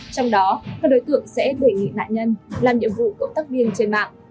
trong đó các đối tượng sẽ đề nghị nạn nhân làm nhiệm vụ cộng tác viên trên mạng